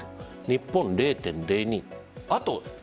日本０．０２。